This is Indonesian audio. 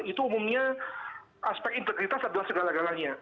itu umumnya aspek integritas adalah segala galanya